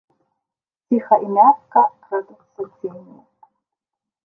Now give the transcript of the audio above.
Ціха і мякка крадуцца цені.